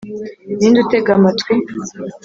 ninde utega amatwi